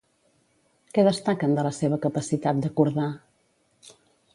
Què destaquen de la seva capacitat d'acordar?